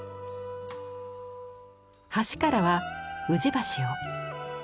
橋からは宇治橋を。